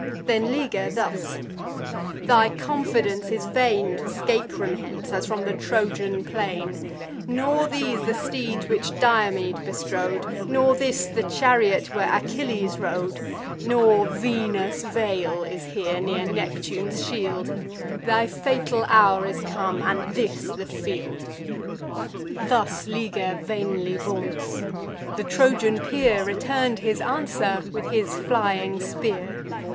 Then Liger thus: "Thy confidence is vain To scape from hence, as from the Trojan plain: Nor these the steeds which Diomede bestrode, Nor this the chariot where Achilles rode; Nor Venus' veil is here, near Neptune's shield; Thy fatal hour is come, and this the field." Thus Liger vainly vaunts: the Trojan peer Return'd his answer with his flying spear.